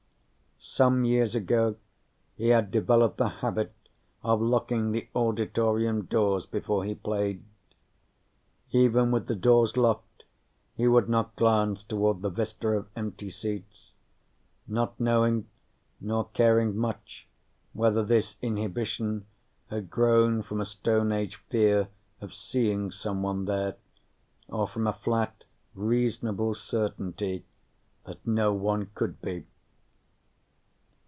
Some years ago, he had developed the habit of locking the auditorium doors before he played. Even with the doors locked, he would not glance toward the vista of empty seats not knowing, nor caring much, whether this inhibition had grown from a Stone Age fear of seeing someone there or from a flat, reasonable certainty that no one could be.